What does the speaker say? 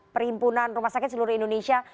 perhimpunan rumah sakit seluruh indonesia